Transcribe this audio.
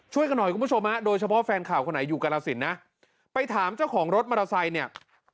กันหน่อยคุณผู้ชมฮะโดยเฉพาะแฟนข่าวคนไหนอยู่กรสินนะไปถามเจ้าของรถมอเตอร์ไซค์เนี่ย